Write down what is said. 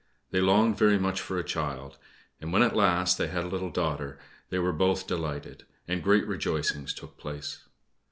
They longed very much for a child; and when at last they had a little daughter they were both delighted, and great rejoicings took place.